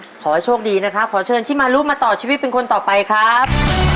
ขอให้โชคดีนะครับขอเชิญชิมารุมาต่อชีวิตเป็นคนต่อไปครับ